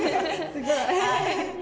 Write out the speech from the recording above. すごい。